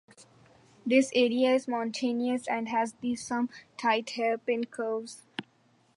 This area is mountainous and has some tight hairpin curves.